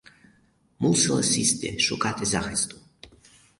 Мусила сісти, шукати захисту.